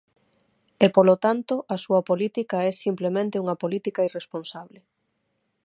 E, polo tanto, a súa política é simplemente unha política irresponsable.